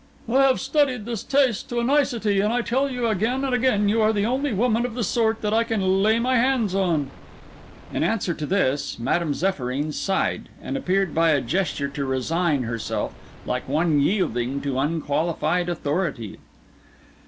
"I have studied his taste to a nicety, and I tell you again and again you are the only woman of the sort that I can lay my hands on." In answer to this, Madame Zéphyrine sighed, and appeared by a gesture to resign herself, like one yielding to unqualified authority.